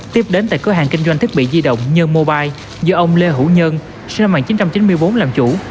tiếp đến tại cửa hàng kinh doanh thiết bị di động nhân mobile do ông lê hữu nhân sân mạng chín trăm chín mươi bốn làm chủ